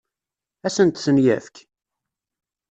Ad asent-ten-yefk?